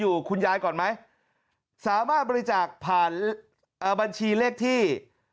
อยู่คุณยายก่อนไหมสามารถบริจาคผ่านบัญชีเลขที่๖๐๔๑๒๒๐๒๙๐